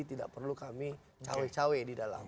tidak perlu kami cawe cawe di dalam